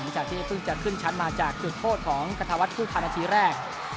จากที่เพิ่งจะขึ้นชั้นมาจากจุดโฆษณ์ของกถวรรดิคู่ทานอาทีแรก